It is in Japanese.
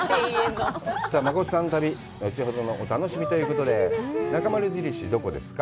真琴さんの旅、後ほどのお楽しみということで、「なかまる印」、どこですか。